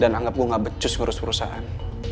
dan anggap gue gak becus ngurus perusahaan